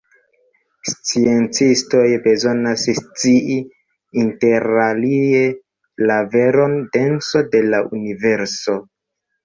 Sciencistoj bezonas scii, interalie, la veran denson de la universo.